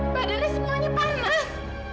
badannya semuanya panas